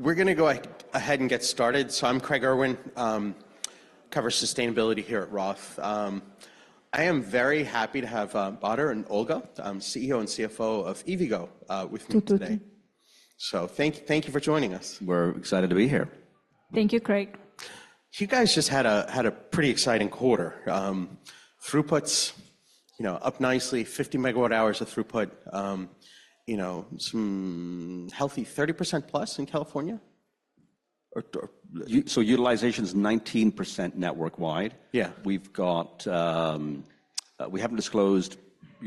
We're gonna go ahead and get started. So I'm Craig Irwin. I cover sustainability here at Roth. I am very happy to have Badar and Olga, CEO and CFO of EVgo, with me today. 2, 2, 2. Thank you for joining us. We're excited to be here. Thank you, Craig. You guys just had a pretty exciting quarter. Throughputs, you know, up nicely, 50 MWh of throughput. You know, some healthy 30%+ in California? Or- So utilization's 19% network-wide. Yeah. We've got, we haven't disclosed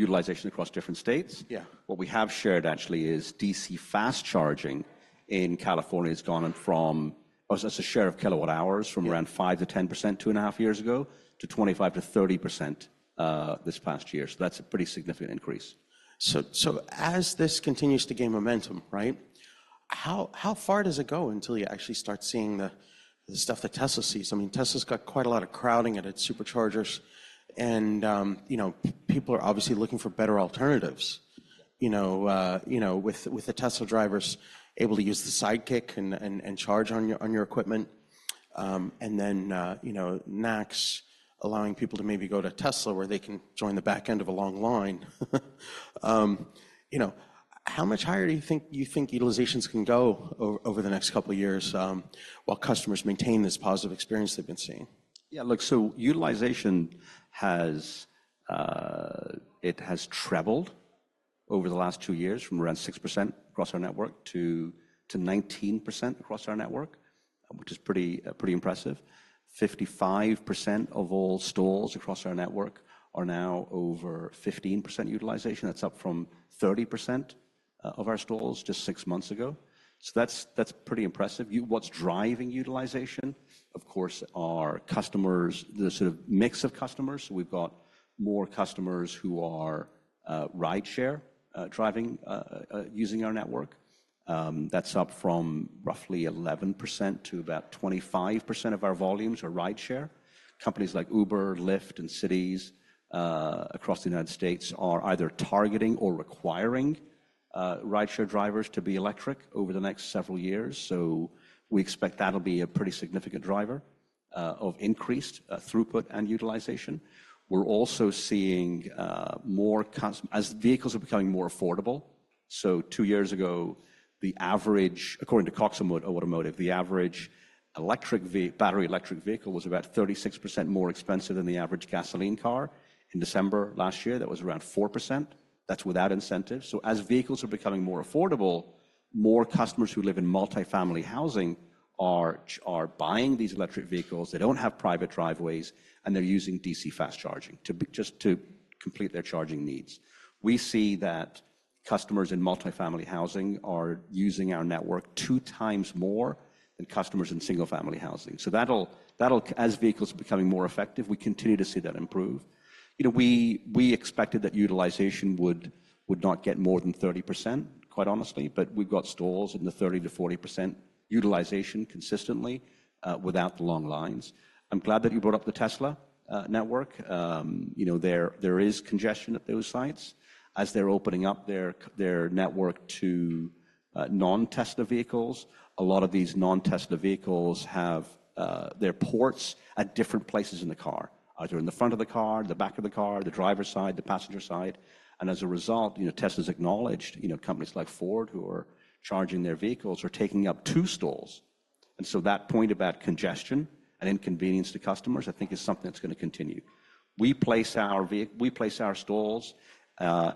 utilization across different states. Yeah. What we have shared, actually, is DC Fast Charging in California has gone on from... as a share of kilowatt-hours- Yeah... from around 5%-10% 2.5 years ago, to 25%-30%, this past year. So that's a pretty significant increase. So as this continues to gain momentum, right, how far does it go until you actually start seeing the stuff that Tesla sees? I mean, Tesla's got quite a lot of crowding at its superchargers and, you know, people are obviously looking for better alternatives. You know, with the Tesla drivers able to use the Sidekick and charge on your equipment. And then, you know, NACS allowing people to maybe go to Tesla, where they can join the back end of a long line. You know, how much higher do you think utilizations can go over the next couple of years, while customers maintain this positive experience they've been seeing? Yeah, look, so utilization has, it has trebled over the last two years, from around 6% across our network to, to 19% across our network, which is pretty, pretty impressive. 55% of all stalls across our network are now over 15% utilization. That's up from 30% of our stalls just six months ago. So that's, that's pretty impressive. What's driving utilization, of course, are customers, the sort of mix of customers. So we've got more customers who are rideshare driving using our network. That's up from roughly 11% to about 25% of our volumes are rideshare. Companies like Uber, Lyft, and cities across the United States are either targeting or requiring rideshare drivers to be electric over the next several years. So we expect that'll be a pretty significant driver of increased throughput and utilization. We're also seeing more customers as vehicles are becoming more affordable. So two years ago, the average, according to Cox Automotive, the average battery electric vehicle was about 36% more expensive than the average gasoline car. In December last year, that was around 4%. That's without incentives. So as vehicles are becoming more affordable, more customers who live in multi-family housing are buying these electric vehicles. They don't have private driveways, and they're using DC fast charging just to complete their charging needs. We see that customers in multi-family housing are using our network two times more than customers in single-family housing. So that'll as vehicles are becoming more effective, we continue to see that improve. You know, we expected that utilization would not get more than 30%, quite honestly, but we've got stalls in the 30%-40% utilization consistently, without the long lines. I'm glad that you brought up the Tesla network. You know, there is congestion at those sites. As they're opening up their their network to non-Tesla vehicles, a lot of these non-Tesla vehicles have their ports at different places in the car, either in the front of the car, the back of the car, the driver's side, the passenger side. And as a result, you know, Tesla's acknowledged, you know, companies like Ford, who are charging their vehicles, are taking up two stalls. And so that point about congestion and inconvenience to customers, I think is something that's gonna continue. We place our stalls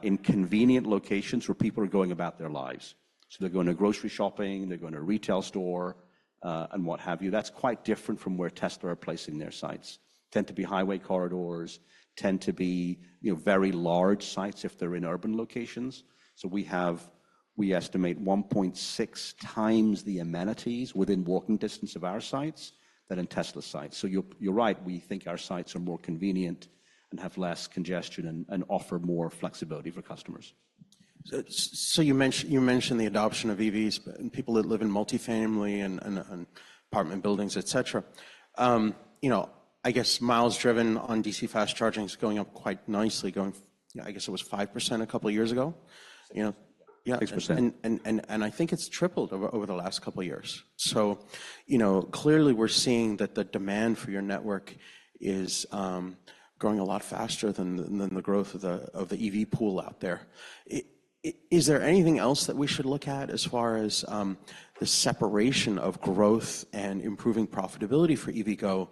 in convenient locations where people are going about their lives. So they're going to grocery shopping, they're going to retail store, and what have you. That's quite different from where Tesla are placing their sites. Tend to be highway corridors, tend to be, you know, very large sites if they're in urban locations. So we have, we estimate 1.6 times the amenities within walking distance of our sites than in Tesla sites. So you're right, we think our sites are more convenient and have less congestion and offer more flexibility for customers. So you mentioned the adoption of EVs, but people that live in multi-family and apartment buildings, etc. You know, I guess miles driven on DC fast charging is going up quite nicely. I guess it was 5% a couple of years ago. You know? Yeah, 6%. I think it's tripled over the last couple of years. So, you know, clearly we're seeing that the demand for your network is growing a lot faster than the growth of the EV pool out there. Is there anything else that we should look at as far as the separation of growth and improving profitability for EVgo?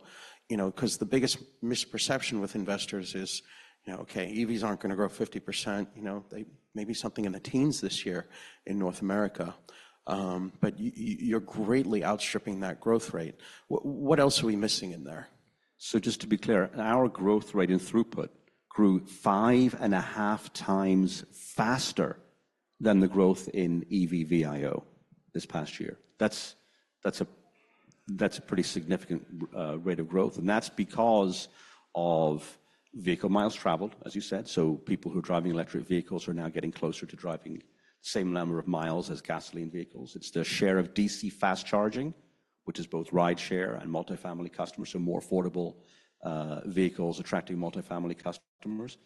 You know, 'cause the biggest misperception with investors is, you know, okay, EVs aren't gonna grow 50%. You know, they may be something in the teens this year in North America. But you're greatly outstripping that growth rate. What else are we missing in there? So just to be clear, our growth rate in throughput grew 5.5 times faster than the growth in EV VIO this past year. That's a pretty significant rate of growth, and that's because of vehicle miles traveled, as you said. So people who are driving electric vehicles are now getting closer to driving the same number of miles as gasoline vehicles. It's the share of DC fast charging, which is both rideshare and multi-family customers, so more affordable vehicles attracting multi-family customers.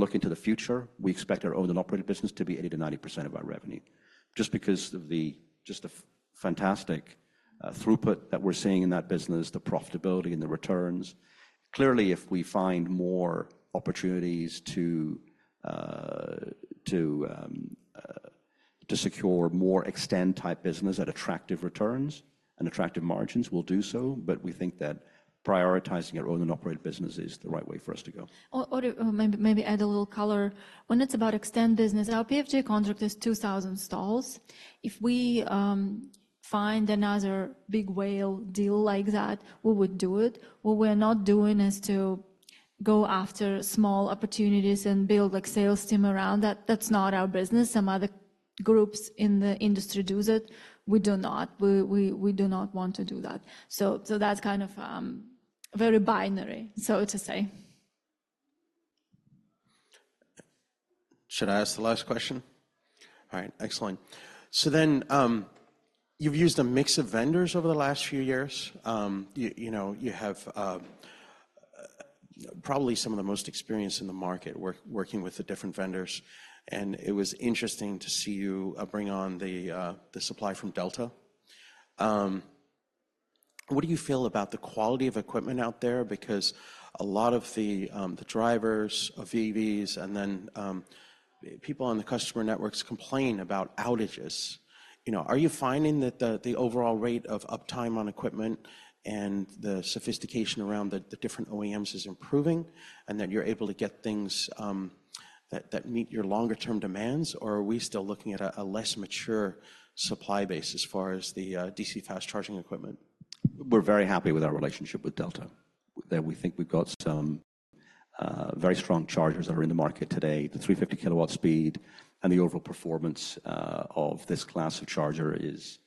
It's looking to the future, we expect our owned and operated business to be 80%-90% of our revenue. Just because of the fantastic throughput that we're seeing in that business, the profitability, and the returns. Clearly, if we find more opportunities to secure more eXtend-type business at attractive returns and attractive margins, we'll do so. But we think that prioritizing our own and operate business is the right way for us to go. Or, to maybe add a little color. When it's about eXtend business, our PFJ contract is 2,000 stalls. If we find another big whale deal like that, we would do it. What we're not doing is to go after small opportunities and build, like, sales team around that. That's not our business. Some other groups in the industry do that. We do not. We do not want to do that. So, that's kind of very binary, so to say. Should I ask the last question? All right, excellent. So then, you've used a mix of vendors over the last few years. You know, you have probably some of the most experience in the market working with the different vendors, and it was interesting to see you bring on the supply from Delta. What do you feel about the quality of equipment out there? Because a lot of the drivers of EVs and then people on the customer networks complain about outages. You know, are you finding that the overall rate of uptime on equipment and the sophistication around the different OEMs is improving, and that you're able to get things that meet your longer-term demands? Or are we still looking at a less mature supply base as far as the DC Fast Charging equipment? We're very happy with our relationship with Delta. That we think we've got some very strong chargers that are in the market today. The 350 kW speed and the overall performance of this class of charger is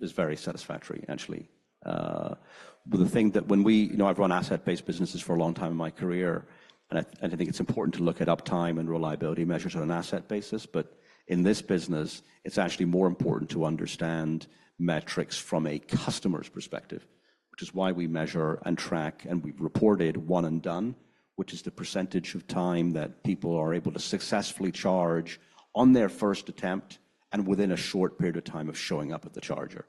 very satisfactory, actually. But the thing that when we—you know, I've run asset-based businesses for a long time in my career, and I think it's important to look at uptime and reliability measures on an asset basis. But in this business, it's actually more important to understand metrics from a customer's perspective, which is why we measure and track, and we've reported one and done, which is the percentage of time that people are able to successfully charge on their first attempt and within a short period of time of showing up at the charger.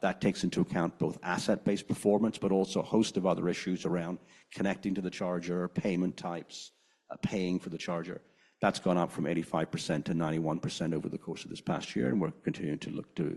That takes into account both asset-based performance but also a host of other issues around connecting to the charger, payment types, paying for the charger. That's gone up from 85% to 91% over the course of this past year, and we're continuing to look to-